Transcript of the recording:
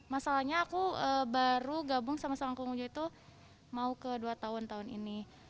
masalahnya aku baru gabung sama seorang kungjo itu mau ke dua tahun tahun ini